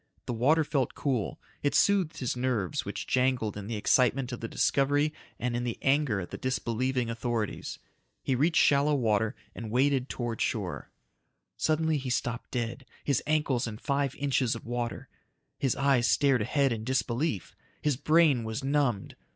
The water felt cool. It soothed his nerves which jangled in the excitement of the discovery and in the anger at the disbelieving authorities. He reached shallow water and waded towards shore. Suddenly he stopped dead, his ankles in five inches of water. His eyes stared ahead in disbelief. His brain was numbed.